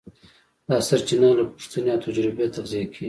دا سرچینه له پوښتنې او تجربې تغذیه کېږي.